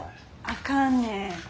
あかんねん。